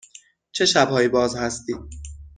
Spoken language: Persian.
چه شب هایی باز هستید؟